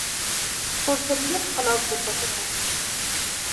Ur telliḍ qellɛeḍ-d lbaṭaṭa.